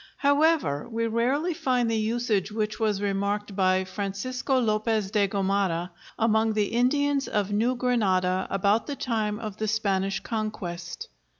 However, we rarely find the usage which was remarked by Francisco Lopez de Gomara among the Indians of New Granada about the time of the Spanish Conquest.